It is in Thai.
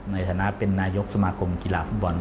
ในฐานะเป็นนายกสมาคมกีฬาฟุตบอล